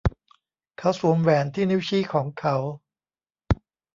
เขาสวมแหวนที่นิ้วชี้ของเขา